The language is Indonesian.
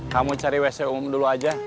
kamu cari wc umum dulu aja